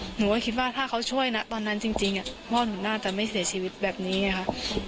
หนูก็คิดว่าถ้าเขาช่วยนะตอนนั้นจริงพ่อหนูน่าจะไม่เสียชีวิตแบบนี้ไงค่ะ